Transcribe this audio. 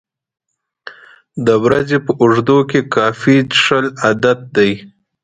د ورځې په اوږدو کې کافي څښل عادت دی.